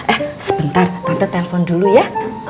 eh sebentar anda telpon dulu ya